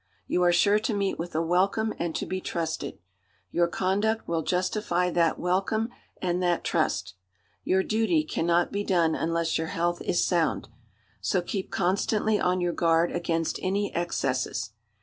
You are sure to meet with a welcome and to be trusted; your conduct will justify that welcome and that trust. Your duty cannot be done unless your health is sound. So keep constantly on your guard against any excesses.